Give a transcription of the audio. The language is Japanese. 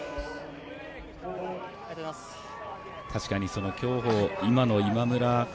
確かに競歩今の今村